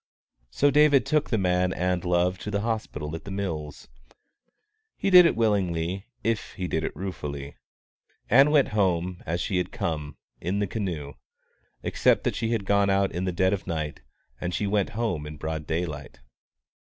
So David took the man Ann loved to the hospital at The Mills. He did it willingly if he did it ruefully. Ann went home, as she had come, in the canoe, except that she had gone out in the dead of night and she went home in broad daylight.